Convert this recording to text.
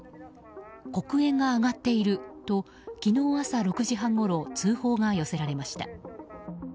黒煙が上がっていると昨日朝６時半ごろ通報が寄せられました。